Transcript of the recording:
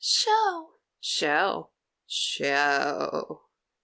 "Show!... Show!... Show!...